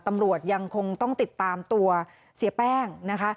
ตำรวจยังคงต้องติดตามตัวเสียแป้งนะคะ